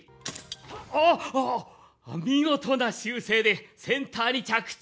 おっ、見事な修正で、センターに着地。